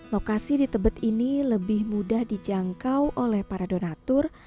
lokasi di tebet ini lebih mudah dijangkau oleh para donatur